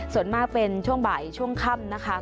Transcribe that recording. ส่วนมากเป็นช่วงบ่ายช่วงค่ำนะคะ